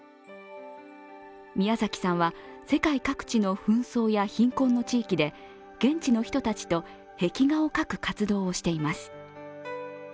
ミヤザキさんは世界各地の紛争や貧困の地域で現地の人たちと壁画を描く活動をしています。